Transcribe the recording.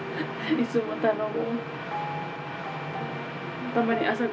いつも頼む。